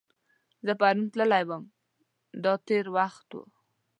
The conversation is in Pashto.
زه پرون تللی وم – دا تېر وخت دی.